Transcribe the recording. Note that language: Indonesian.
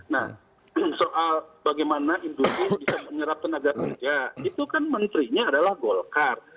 nah soal bagaimana industri bisa menyerap tenaga kerja itu kan menterinya adalah golkar